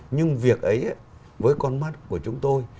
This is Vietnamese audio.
nhưng việc ấy với con mắt của chúng tôi